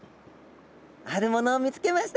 あるものを見つけました。